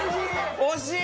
惜しい！